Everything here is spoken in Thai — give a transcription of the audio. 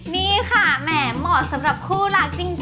นี่ค่ะแหมเหมาะสำหรับคู่รักจริง